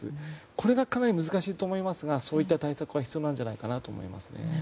これがかなり難しいと思いますがそういった対策が必要だと思います。